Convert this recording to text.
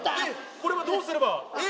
これはどうすれば。